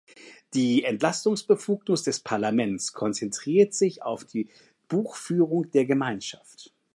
Die Entlastungsbefugnis des Parlaments konzentriert sich auf die Buchführung der Gemeinschaft.